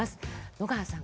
野川さん